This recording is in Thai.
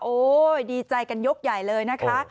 ดีใจกันยกใหญ่เลยนะคะ